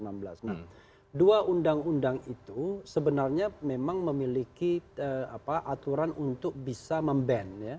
nah dua undang undang itu sebenarnya memang memiliki aturan untuk bisa memband